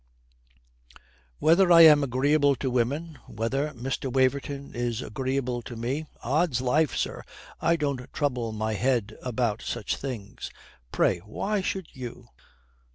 "Whether I am agreeable to women, whether Mr. Waverton is agreeable to me odds life, sir, I don't trouble my head about such things. Pray, why should you?